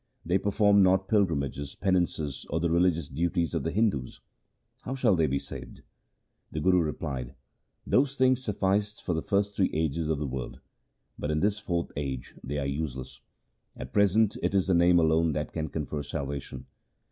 They perform not pilgrimages, penances, or the religious duties of the Hindus ; how shall they be saved ?' The Guru replied, ' Those things sufficed for the first three ages of the world, but in this fourth age they are useless. At present it is the Name alone that can confer salvation.